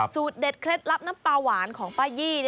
เด็ดเคล็ดลับน้ำปลาหวานของป้ายี่